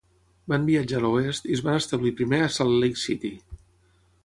Van viatjar a l'oest i es van establir primer a Salt Lake City.